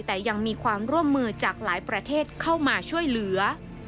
แต่ยังมีความร่วมมือจากหลายประเทศเข้ามาช่วยเหลือ